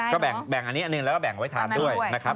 ก็แบ่งอันนี้อันหนึ่งแล้วก็แบ่งไว้ทานด้วยนะครับ